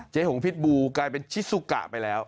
หงพิษบูกลายเป็นชิสุกะไปแล้ว